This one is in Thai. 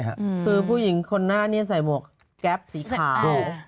คือผู้หญิงคนหน้านี้ใส่หมวกแก๊ปสีขาว